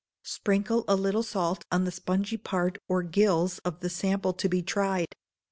Sprinkle a little salt on the spongy part or gills of the sample to be tried.